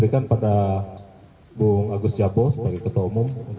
itu bukan sengketa pemilu